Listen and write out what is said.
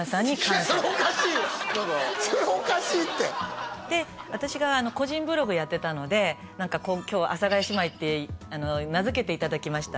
いやそれおかしいよそれおかしいってで私が個人ブログやってたので「今日阿佐ヶ谷姉妹って名づけていただきました」